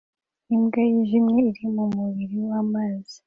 Imbwa yijimye iri mumubiri wamazi